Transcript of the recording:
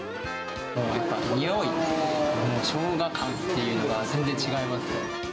やっぱり匂い、ショウガ感っていうのが全然違いますね。